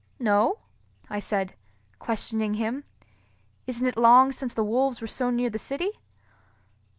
"No?" I said, questioning him. "Isn't it long since the wolves were so near the city?"